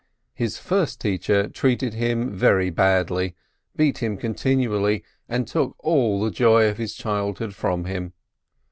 His first teacher treated him very badly, beat him continually, and took all the joy of his childhood from him.